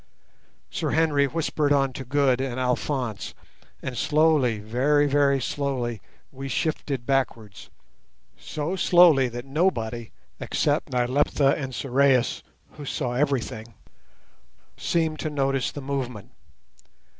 Sir Henry whispered on to Good and Alphonse, and slowly, very very slowly, we shifted backwards; so slowly that nobody, except Nyleptha and Sorais, who saw everything, seemed to notice the movement.